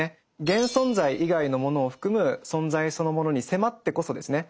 現存在以外のものを含む存在そのものに迫ってこそですね